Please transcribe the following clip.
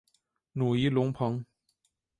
努伊隆蓬。